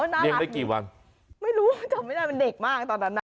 เลี้ยงได้กี่วันไม่รู้ว่าจำไม่ได้เป็นเด็กมากตอนนั้นน่ะ